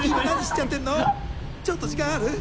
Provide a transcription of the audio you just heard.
ちょっと時間ある？